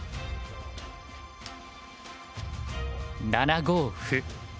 ７五歩。